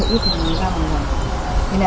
rồi bắt đầu ra mình giảm